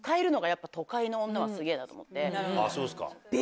やっぱ都会の女はすげぇなと思って。